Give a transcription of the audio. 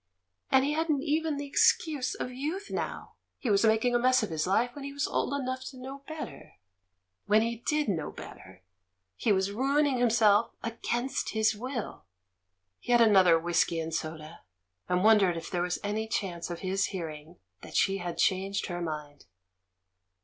And he hadn't even the excuse of youth now; he was making a mess of his life when he was old enough to know better, when he did know better — he was ruining himself against his will! He had another whisky and soda, and wondered if there was any chance of his hearing that she had changed her mind.